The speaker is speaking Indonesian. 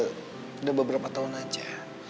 udah beberapa tahun aja